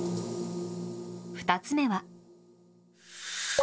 ２つ目は。